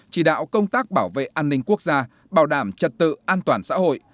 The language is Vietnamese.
chỉ đạo công tác bảo vệ an ninh quốc gia bảo đảm trật tự an toàn xã hội